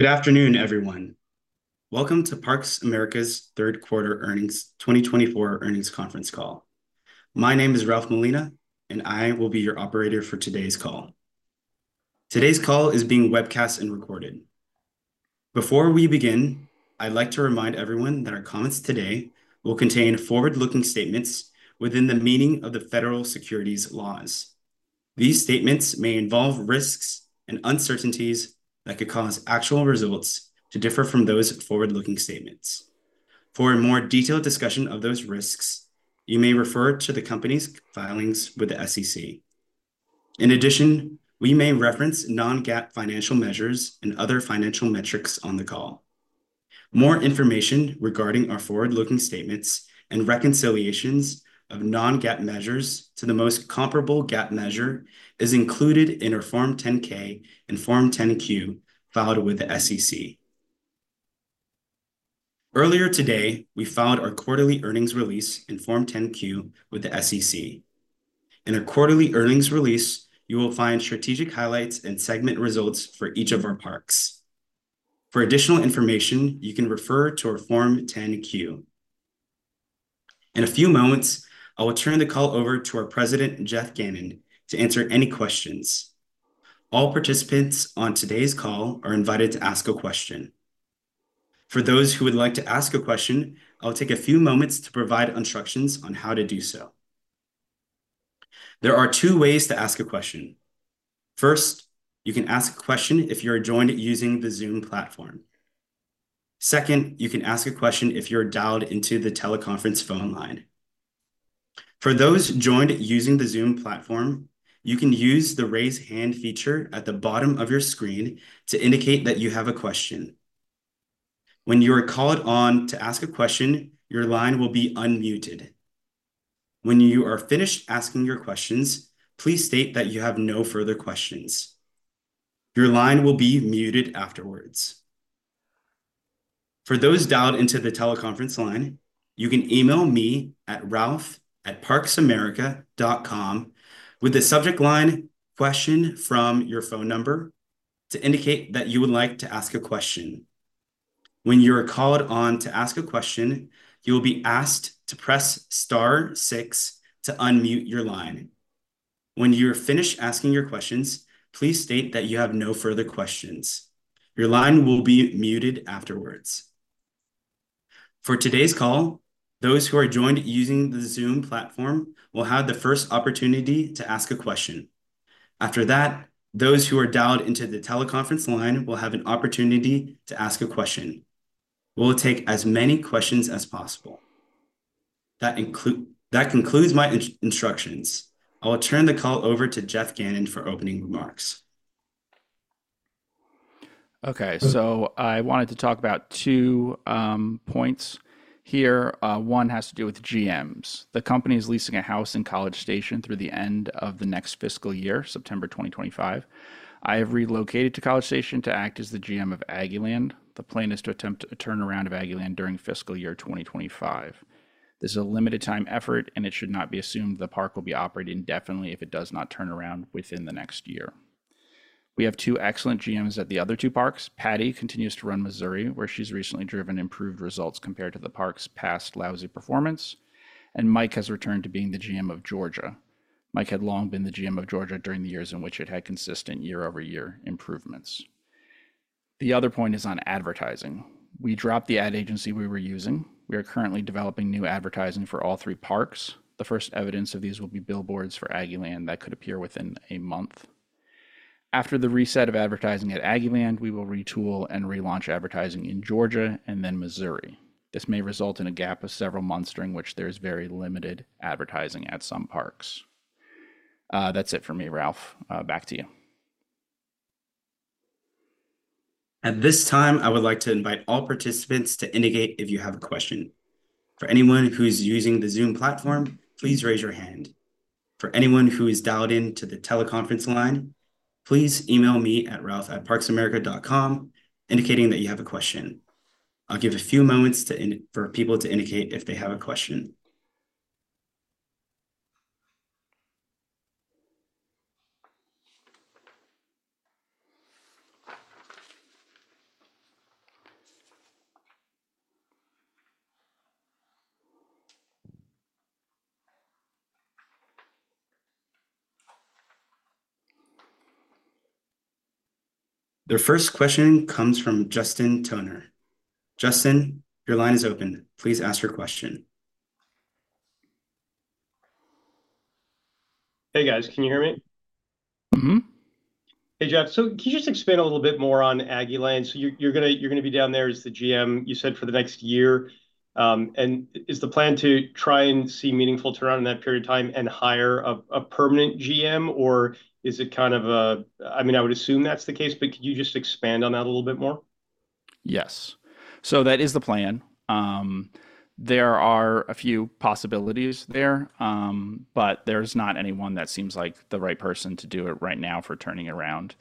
Good afternoon, everyone. Welcome to Parks! America's third quarter earnings, 2024 earnings conference call. My name is Ralph Molina, and I will be your operator for today's call. Today's call is being webcast and recorded. Before we begin, I'd like to remind everyone that our comments today will contain forward-looking statements within the meaning of the federal securities laws. These statements may involve risks and uncertainties that could cause actual results to differ from those forward-looking statements. For a more detailed discussion of those risks, you may refer to the company's filings with the SEC. In addition, we may reference non-GAAP financial measures and other financial metrics on the call. More information regarding our forward-looking statements and reconciliations of non-GAAP measures to the most comparable GAAP measure is included in our Form 10-K and Form 10-Q filed with the SEC. Earlier today, we filed our quarterly earnings release and Form 10-Q with the SEC. In our quarterly earnings release, you will find strategic highlights and segment results for each of our parks. For additional information, you can refer to our Form 10-Q. In a few moments, I will turn the call over to our president, Geoffrey Gannon, to answer any questions. All participants on today's call are invited to ask a question. For those who would like to ask a question, I will take a few moments to provide instructions on how to do so. There are two ways to ask a question. First, you can ask a question if you are joined using the Zoom platform. Second, you can ask a question if you're dialed into the teleconference phone line. For those joined using the Zoom platform, you can use the Raise Hand feature at the bottom of your screen to indicate that you have a question. When you are called on to ask a question, your line will be unmuted. When you are finished asking your questions, please state that you have no further questions. Your line will be muted afterwards. For those dialed into the teleconference line, you can email me at ralph@parksamerica.com with the subject line "Question from " to indicate that you would like to ask a question. When you are called on to ask a question, you will be asked to press star six to unmute your line. When you are finished asking your questions, please state that you have no further questions. Your line will be muted afterwards. For today's call, those who are joined using the Zoom platform will have the first opportunity to ask a question. After that, those who are dialed into the teleconference line will have an opportunity to ask a question. We will take as many questions as possible. That concludes my instructions. I will turn the call over to Geoffrey Gannon for opening remarks. Okay, so I wanted to talk about 2 points here. One has to do with GMs. The company is leasing a house in College Station through the end of the next fiscal year, September 2025. I have relocated to College Station to act as the GM of Aggieland. The plan is to attempt a turnaround of Aggieland during fiscal year 2025. This is a limited time effort, and it should not be assumed the park will be operating indefinitely if it does not turn around within the next year. We have 2 excellent GMs at the other 2 parks. Patty continues to run Missouri, where she's recently driven improved results compared to the park's past lousy performance, and Mike has returned to being the GM of Georgia. Mike had long been the GM of Georgia during the years in which it had consistent year-over-year improvements. The other point is on advertising. We dropped the ad agency we were using. We are currently developing new advertising for all three parks. The first evidence of these will be billboards for Aggieland that could appear within a month. After the reset of advertising at Aggieland, we will retool and relaunch advertising in Georgia and then Missouri. This may result in a gap of several months during which there is very limited advertising at some parks. That's it for me, Ralph. Back to you. At this time, I would like to invite all participants to indicate if you have a question. For anyone who's using the Zoom platform, please raise your hand. For anyone who is dialed in to the teleconference line, please email me at ralph@parksamerica.com, indicating that you have a question. I'll give a few moments for people to indicate if they have a question. The first question comes from Justin Toner. Justin, your line is open. Please ask your question. Hey, guys, can you hear me? Mm-hmm. Hey, Geoffrey. So can you just expand a little bit more on Aggieland? So you're gonna be down there as the GM, you said, for the next year. And is the plan to try and see meaningful turnaround in that period of time and hire a permanent GM, or is it kind of a... I mean, I would assume that's the case, but could you just expand on that a little bit more? Yes. So that is the plan. There are a few possibilities there, but there's not anyone that seems like the right person to do it right now for turning it around.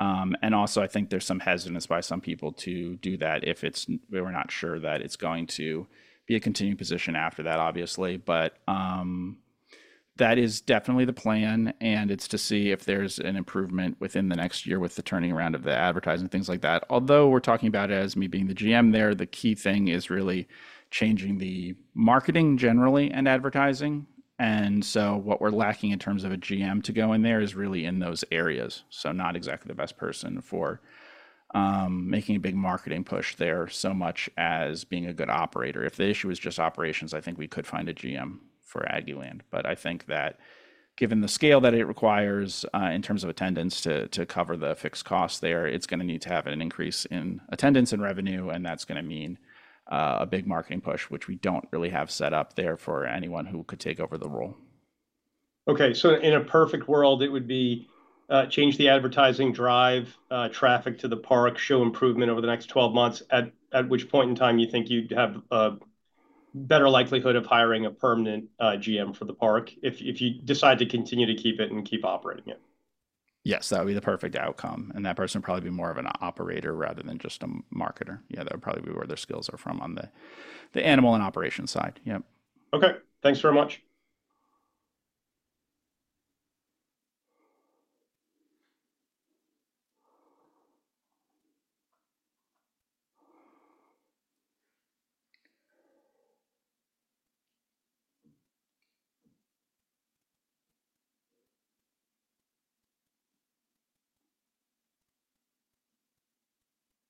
And also, I think there's some hesitance by some people to do that if it's, we're not sure that it's going to be a continuing position after that, obviously. But... That is definitely the plan, and it's to see if there's an improvement within the next year with the turning around of the advertising, things like that. Although we're talking about it as me being the GM there, the key thing is really changing the marketing generally and advertising. And so what we're lacking in terms of a GM to go in there is really in those areas, so not exactly the best person for making a big marketing push there, so much as being a good operator. If the issue is just operations, I think we could find a GM for Aggieland. But I think that given the scale that it requires in terms of attendance to cover the fixed costs there, it's gonna need to have an increase in attendance and revenue, and that's gonna mean a big marketing push, which we don't really have set up there for anyone who could take over the role. Okay. So in a perfect world, it would be change the advertising, drive traffic to the park, show improvement over the next 12 months, at which point in time you think you'd have a better likelihood of hiring a permanent GM for the park, if you decide to continue to keep it and keep operating it? Yes, that would be the perfect outcome, and that person would probably be more of an operator rather than just a marketer. Yeah, that would probably be where their skills are from, on the animal and operations side. Yep. Okay. Thanks very much.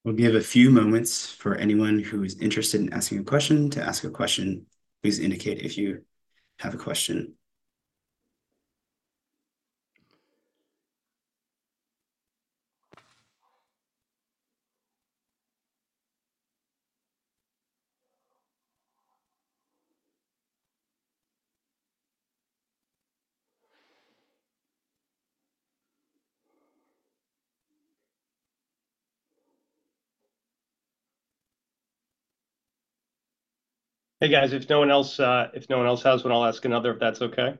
We'll give a few moments for anyone who is interested in asking a question to ask a question. Please indicate if you have a question. Hey, guys, if no one else, if no one else has one, I'll ask another, if that's okay?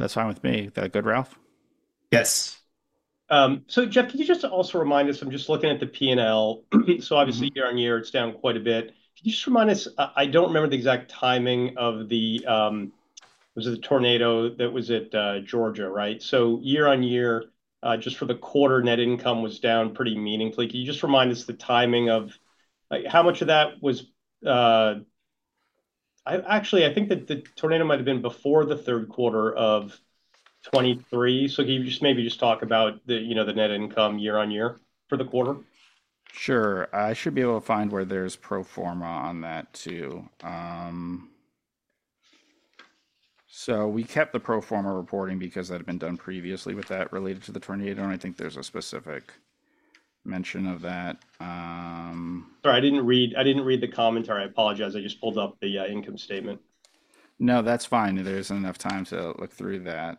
That's fine with me. Is that good, Ralph? Yes. So Geoffrey, can you just also remind us... I'm just looking at the P&L. So obviously, year-over-year, it's down quite a bit. Can you just remind us? I don't remember the exact timing of the—was it the tornado that was at Georgia, right? So year-over-year, just for the quarter, net income was down pretty meaningfully. Can you just remind us the timing of... Like, how much of that was—I actually, I think that the tornado might have been before the third quarter of 2023. So can you just maybe just talk about the, you know, the net income year-over-year for the quarter? Sure. I should be able to find where there's pro forma on that too. So we kept the pro forma reporting because that had been done previously with that related to the tornado, and I think there's a specific mention of that. Sorry, I didn't read, I didn't read the commentary. I apologize. I just pulled up the income statement. No, that's fine. There isn't enough time to look through that.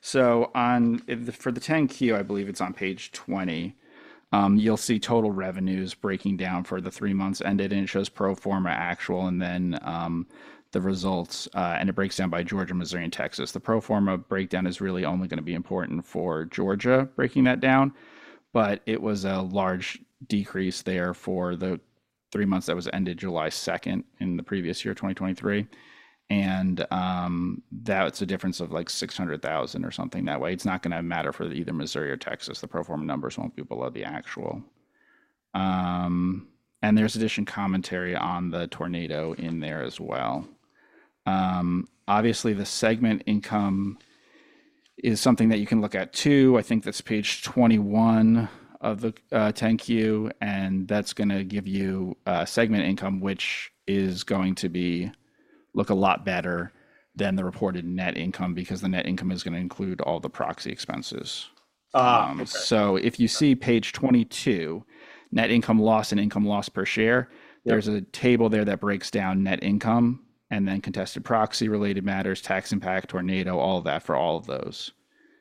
So, for the 10-Q, I believe it's on page 20, you'll see total revenues breaking down for the three months ended, and it shows pro forma actual, and then, the results, and it breaks down by Georgia, Missouri, and Texas. The pro forma breakdown is really only gonna be important for Georgia, breaking that down, but it was a large decrease there for the three months that was ended July 2nd in the previous year, 2023. And, that's a difference of, like, $600,000 or something that way. It's not gonna matter for either Missouri or Texas. The pro forma numbers won't be below the actual. And there's additional commentary on the tornado in there as well. Obviously, the segment income is something that you can look at too. I think that's page 21 of the 10-Q, and that's gonna give you segment income, which is going to be, look a lot better than the reported net income, because the net income is gonna include all the proxy expenses. Ah, okay. So if you see page 22, net income loss and income loss per share- Yep... there's a table there that breaks down net income and then contested proxy-related matters, tax impact, tornado, all of that for all of those.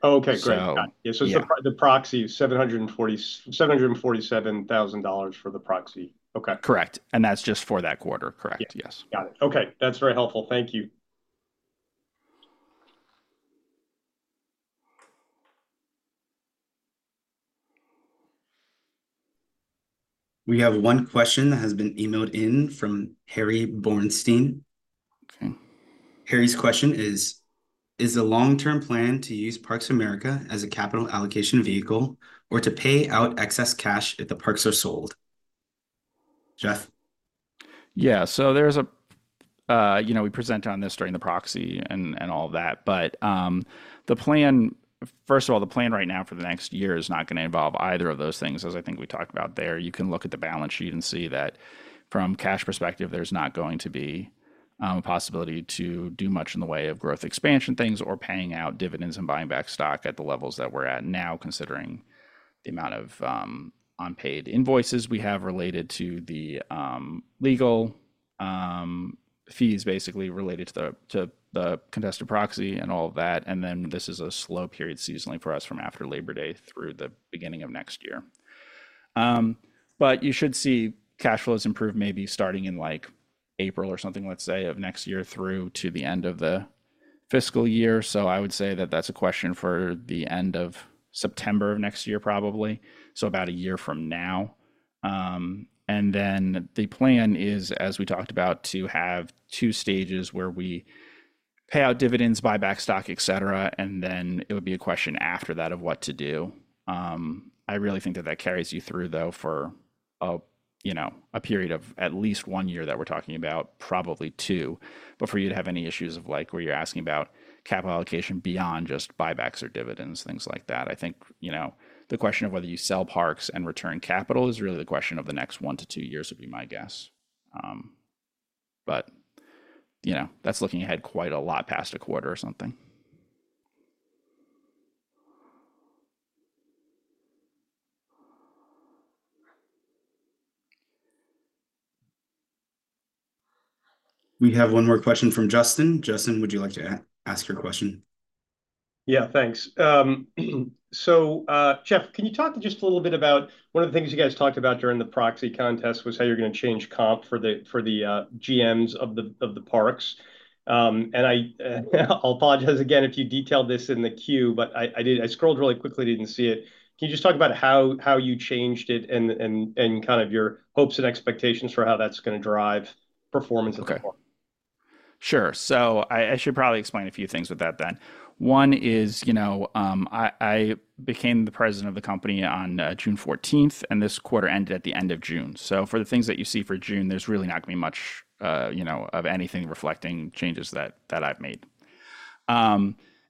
Okay, great. So, yeah. Got it. So the proxy, $747,000 for the proxy. Okay. Correct, and that's just for that quarter. Correct. Yeah. Yes. Got it. Okay, that's very helpful. Thank you. We have one question that has been emailed in from Harry Bornstein. Okay. Harry's question is: Is the long-term plan to use Parks! America as a capital allocation vehicle or to pay out excess cash if the parks are sold? Geoffrey? Yeah, so there's a, You know, we presented on this during the proxy and all that, but, the plan - first of all, the plan right now for the next year is not gonna involve either of those things, as I think we talked about there. You can look at the balance sheet and see that from cash perspective, there's not going to be, a possibility to do much in the way of growth expansion things, or paying out dividends and buying back stock at the levels that we're at now, considering the amount of unpaid invoices we have related to the legal fees, basically, related to the contested proxy and all of that. And then this is a slow period seasonally for us from after Labor Day through the beginning of next year. But you should see cash flows improve, maybe starting in, like, April or something, let's say, of next year through to the end of the fiscal year, so I would say that that's a question for the end of September of next year, probably, so about a year from now. And then the plan is, as we talked about, to have two stages where we pay out dividends, buy back stock, et cetera, and then it would be a question after that of what to do. I really think that that carries you through, though, for a, you know, a period of at least one year that we're talking about, probably two, before you'd have any issues of, like, where you're asking about capital allocation beyond just buybacks or dividends, things like that. I think, you know, the question of whether you sell parks and return capital is really the question of the next 1-2 years, would be my guess. But, you know, that's looking ahead quite a lot past a quarter or something. We have one more question from Justin. Justin, would you like to ask your question? Yeah, thanks. So, Geoffrey, can you talk just a little bit about one of the things you guys talked about during the proxy contest was how you're gonna change comp for the GMs of the parks. And I'll apologize again if you detailed this in the queue, but I did... I scrolled really quickly, didn't see it. Can you just talk about how you changed it, and kind of your hopes and expectations for how that's gonna drive performance going forward? Okay. Sure. So I should probably explain a few things with that then. One is, you know, I became the president of the company on June 14th, and this quarter ended at the end of June. So for the things that you see for June, there's really not gonna be much, you know, of anything reflecting changes that I've made.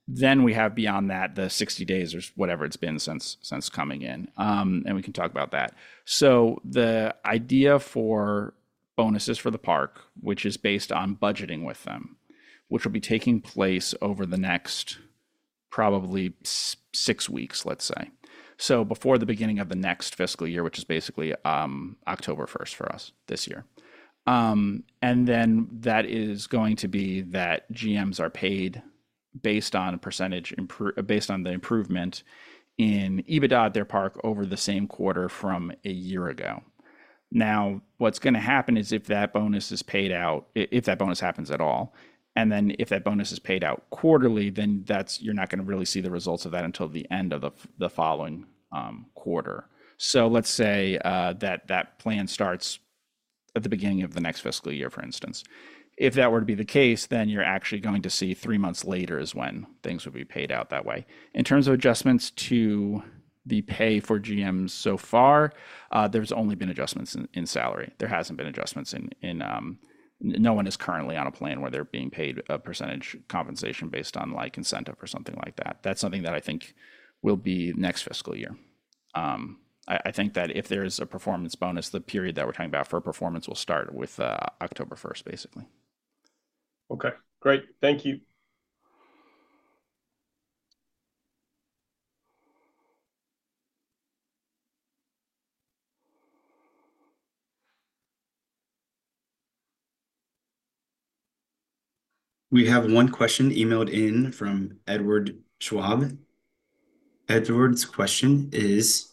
Then we have beyond that, the 60 days or whatever it's been since coming in, and we can talk about that. So the idea for bonuses for the park, which is based on budgeting with them, which will be taking place over the next probably six weeks, let's say, so before the beginning of the next fiscal year, which is basically October 1st for us this year. And then that is going to be that GMs are paid based on a percentage based on the improvement in EBITDA at their park over the same quarter from a year ago. Now, what's gonna happen is, if that bonus is paid out, if that bonus happens at all, and then if that bonus is paid out quarterly, then that's... You're not gonna really see the results of that until the end of the following quarter. So let's say that that plan starts at the beginning of the next fiscal year, for instance. If that were to be the case, then you're actually going to see three months later is when things would be paid out that way. In terms of adjustments to the pay for GMs so far, there's only been adjustments in salary. There hasn't been adjustments. No one is currently on a plan where they're being paid a percentage compensation based on, like, incentive or something like that. That's something that I think will be next fiscal year. I think that if there is a performance bonus, the period that we're talking about for a performance will start with October 1st, basically. Okay, great. Thank you. We have one question emailed in from Edward Schwab. Edward's question is: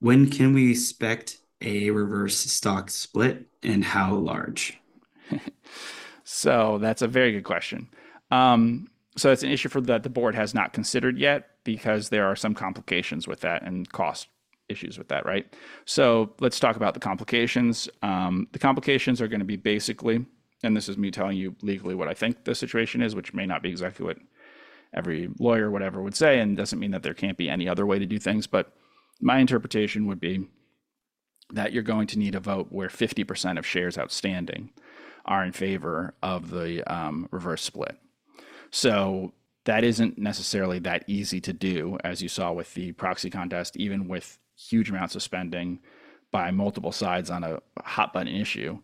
"When can we expect a reverse stock split, and how large? So that's a very good question. So it's an issue that the board has not considered yet because there are some complications with that and cost issues with that, right? So let's talk about the complications. The complications are gonna be basically, and this is me telling you legally what I think the situation is, which may not be exactly what every lawyer or whatever would say, and doesn't mean that there can't be any other way to do things, but my interpretation would be that you're going to need a vote where 50% of shares outstanding are in favor of the reverse split. So that isn't necessarily that easy to do. As you saw with the proxy contest, even with huge amounts of spending by multiple sides on a hot-button issue,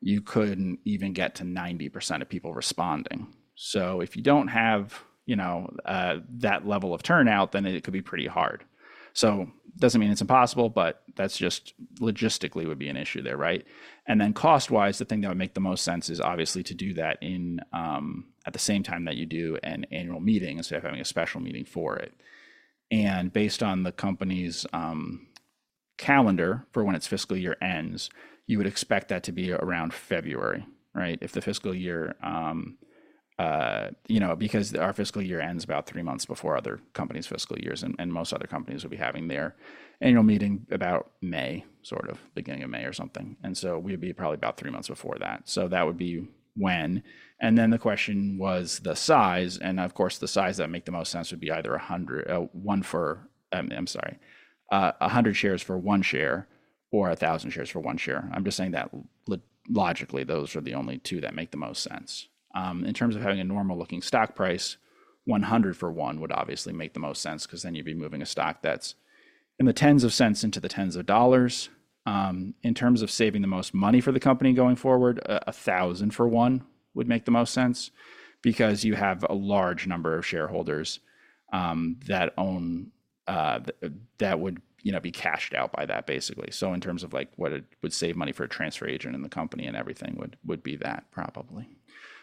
you couldn't even get to 90% of people responding. So if you don't have, you know, that level of turnout, then it could be pretty hard. So doesn't mean it's impossible, but that's just logistically would be an issue there, right? And then cost-wise, the thing that would make the most sense is obviously to do that in, at the same time that you do an annual meeting, instead of having a special meeting for it. And based on the company's, calendar for when its fiscal year ends, you would expect that to be around February, right? If the fiscal year, You know, because our fiscal year ends about three months before other companies' fiscal years, and most other companies will be having their annual meeting about May, sort of beginning of May or something, and so we'd be probably about three months before that. So that would be when. And then the question was the size, and of course, the size that would make the most sense would be either 100-for-1, I'm sorry, 100 shares for 1 share or 1,000 shares for 1 share. I'm just saying that logically, those are the only two that make the most sense. In terms of having a normal-looking stock price, 100-for-1 would obviously make the most sense, 'cause then you'd be moving a stock that's in the tens of cents into the tens of dollars. In terms of saving the most money for the company going forward, 1,000-for-1 would make the most sense because you have a large number of shareholders that own that would, you know, be cashed out by that, basically. So in terms of, like, what it would save money for a transfer agent and the company and everything would be that probably.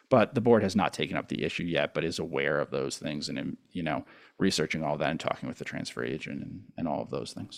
But the board has not taken up the issue yet, but is aware of those things and, you know, researching all that and talking with the transfer agent and all of those things.